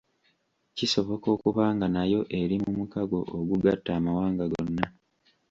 Kisoboka okuba nga nayo eri mu mukago ogugatta amawanga gonna.